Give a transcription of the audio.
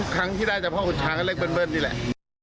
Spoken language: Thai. ๖๖๓ครั้งที่ได้จากพ่อขุนช้างก็เลขเบิ้ลเบิ้ลนี่แหละ